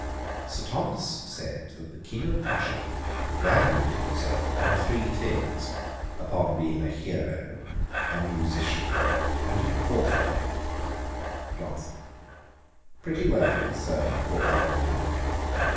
Sir Thomas said, that the king of Prussia valued himself upon three things; upon being a hero, a musician, and an authour. JOHNSON. 'Pretty well, Sir, for one man.